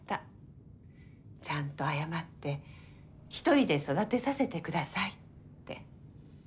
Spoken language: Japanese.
ちゃんと謝って１人で育てさせて下さいって。